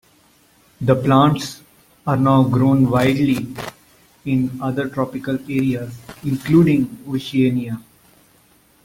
The plants are now grown widely in other tropical areas, including Oceania.